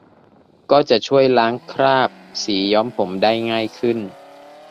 ก็จะช่วยล้างคราบสีย้อมผมได้ง่ายขึ้น